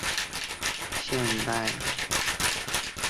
现代农业科学已经极大地减少了耕作的使用。